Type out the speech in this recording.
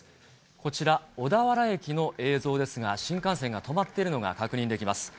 こちら、小田原駅の映像ですが、新幹線が止まっているのが確認できます。